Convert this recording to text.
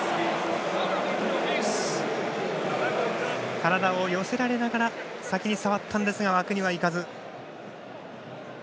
体を寄せられながら先に触ったんですが枠には行かず。